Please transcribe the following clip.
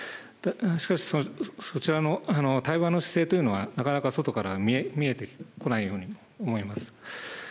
しかし、そちらの対話の姿勢というのはなかなか外から見えてこないように思います。